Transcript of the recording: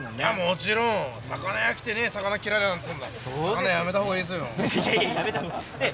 もちろん魚屋に来て魚を切らないなんて魚屋をやめた方がいいですよ。